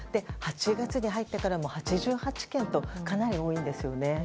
８月に入ってからも８８件とかなり多いんですよね。